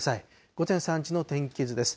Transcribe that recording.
午前３時の天気図です。